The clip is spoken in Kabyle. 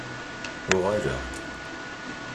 Uɣaleɣ-d.